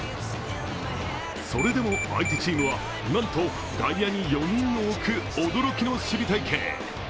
それでも相手チームは、なんと外野に４人を置く驚きの守備隊形。